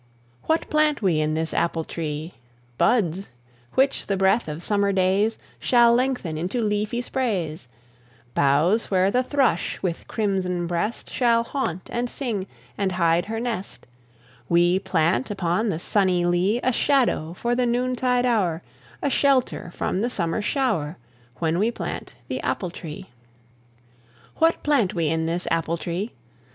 What plant we in this apple tree? Buds, which the breath of summer days Shall lengthen into leafy sprays; Boughs where the thrush, with crimson breast, Shall haunt, and sing, and hide her nest; We plant, upon the sunny lea, A shadow for the noontide hour, A shelter from the summer shower, When we plant the apple tree. What plant we in this apple tree?